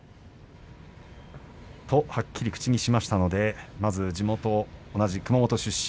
はっきり口にしましたのでまずは同じ熊本出身。